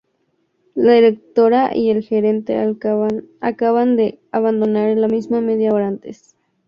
La directora y el gerente acababan de abandonar la misma media hora antes.